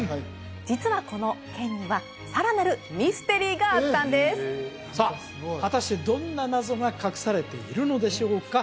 実はこの剣にはさらなるミステリーがあったんですさあ果たしてどんな謎が隠されているのでしょうか？